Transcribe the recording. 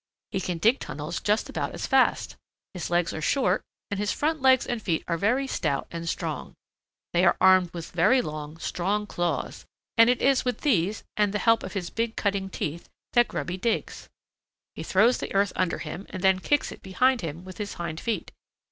He can dig tunnels just about as fast. His legs are short, and his front legs and feet are very stout and strong. They are armed with very long, strong claws and it is with these and the help of his big cutting teeth that Grubby digs. He throws the earth under him and then kicks it behind him with his hind feet.